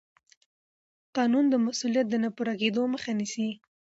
قانون د مسوولیت د نه پوره کېدو مخه نیسي.